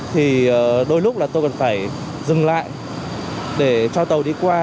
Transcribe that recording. thì đôi lúc là tôi còn phải dừng lại để cho tàu đi qua